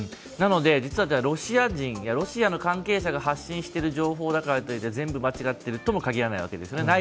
なので、実はロシア人、ロシアン関係者が発信している情報だから全部間違っているともかぎらないわけですね。